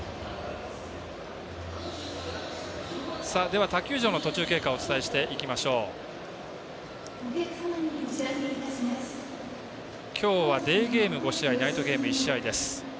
では、他球場の途中経過をお伝えしていきましょう。今日はデーゲーム５試合ナイトゲームが１試合です。